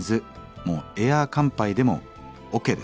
もうエア乾杯でもＯＫです。